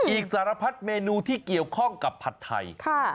สารพัดเมนูที่เกี่ยวข้องกับผัดไทย